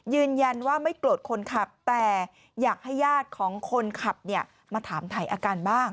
ยืนยันว่าไม่โกรธคนขับแต่อยากให้ญาติของคนขับมาถามถ่ายอาการบ้าง